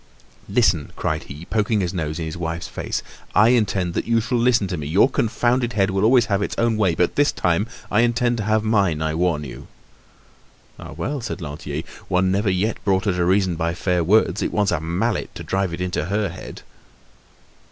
"Listen," cried he, poking his nose in his wife's face; "I intend that you shall listen to me! Your confounded head will always have its own way. But, this time, I intend to have mine, I warn you!" "Ah! well," said Lantier, "one never yet brought her to reason by fair words; it wants a mallet to drive it into her head."